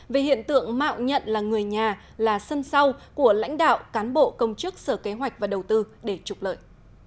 về hiện tượng mạo nhận là người nhà là sân sau của lãnh đạo cán bộ công chức sở kế hoạch và đầu tư để trục lợi